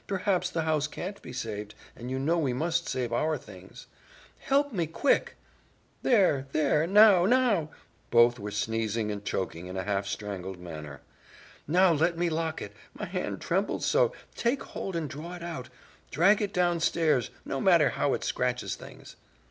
Perhaps the house can't be saved, and you know we must save OUR things. Help me, quick! There, there; now, now" both were sneezing and choking in a half strangled manner. "Now let me lock it; my hand trembles so; take hold and draw it out; drag it downstairs; no matter how it scratches things!"